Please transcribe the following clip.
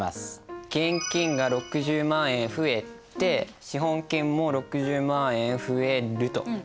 現金が６０万円増えて資本金も６０万円増えると。